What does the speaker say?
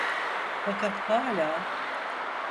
Fakat hâlâ.